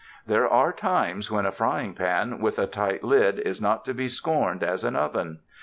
There are times when a frying pan with a tight lid is not to be scorned as an oven.